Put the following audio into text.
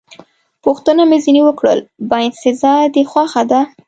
پوښتنه مې ځنې وکړل: باینسېزا دې خوښه ده؟